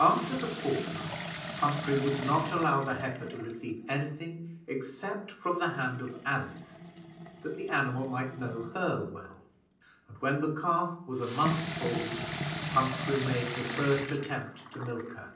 After the fortnight, Humphrey would not allow the heifer to receive any thing except from the hand of Alice, that the animal might know her well; and when the calf was a month old, Humphrey made the first attempt to milk her.